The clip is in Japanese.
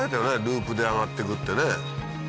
ループで上がって行くってね。